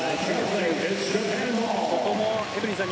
ここもエブリンさん